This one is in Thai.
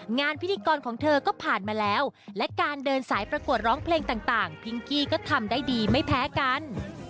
งานพิธีกรของเธอก็ผ่านมาแล้วและการเดินสายประกวดร้องเพลงต่างพิงกี้ก็ทำได้ดีไม่แพ้กัน